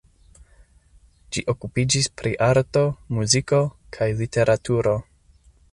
Ĝi okupiĝis pri arto, muziko kaj literaturo.